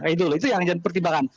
itu yang menjadi pertimbangan